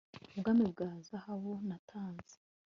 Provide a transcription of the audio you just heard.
Ubwami bwa zahabu natanze